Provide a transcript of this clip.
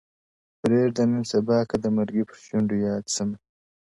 • پرېږده نن سبا که د مرګي پر شونډو یاد سمه -